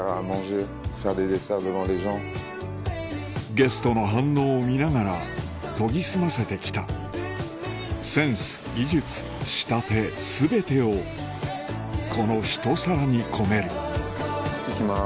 ゲストの反応を見ながら研ぎ澄ませて来たセンス技術仕立て全てをこのひと皿に込める行きます。